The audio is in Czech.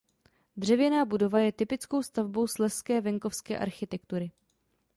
Dřevěná budova je typickou stavbou slezské venkovské architektury.